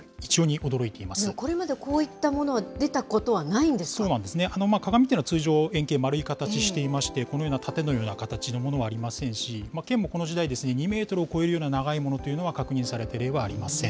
これまでこういったものは出そうなんですね、鏡というのは通常、円形、丸い形していまして、このような盾のような形のものはありませんし、剣もこの時代、２メートルを超えるような長いものというのは、確認された例はありません。